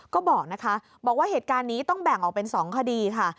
ก็บอกนะคะบอกว่าเหตุการณ์นี้ต้องแบ่งออกเป็น๒คดีค่ะ